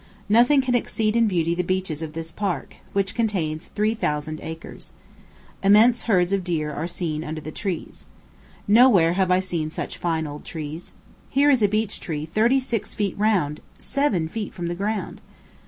Nothing can exceed in beauty the beeches of this park, which contains three thousand acres. Immense herds of deer are seen under the trees. Nowhere have I seen such fine old trees. Here is a beech tree thirty six feet round, seven feet from the ground!